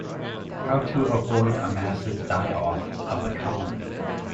How to avoid a massive die-off of the colony.